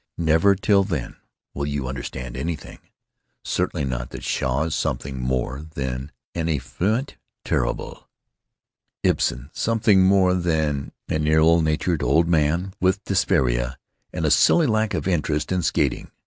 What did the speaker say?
Never till then will you understand anything—certainly not that Shaw is something more than an enfant terrible; Ibsen something more than an ill natured old man with dyspepsia and a silly lack of interest in skating.